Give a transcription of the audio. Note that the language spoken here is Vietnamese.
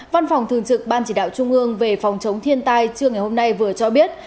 văn phòng thường trực ban chỉ đạo trung ương về phòng chống thiên tai trưa ngày hôm nay vừa cho biết